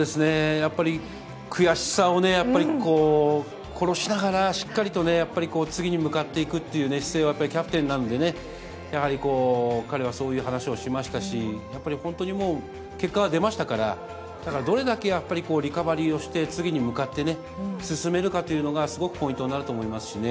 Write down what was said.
やっぱり悔しさをね、やっぱりこう、殺しながら、しっかりとやっぱり、次に向かっていくというね、姿勢は、やっぱりキャプテンなんでね、彼はそういう話をしましたし、やっぱり本当にもう、結果は出ましたから、ただ、どれだけやっぱりリカバリーをして、次に向かってね、進めるかというのが、すごくポイントになると思いますしね。